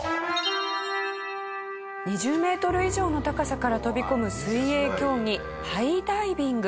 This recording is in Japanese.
２０メートル以上の高さから飛び込む水泳競技ハイダイビング。